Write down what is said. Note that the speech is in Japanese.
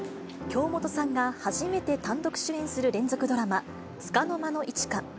京本さんが初めて単独主演する連続ドラマ、束の間の一花。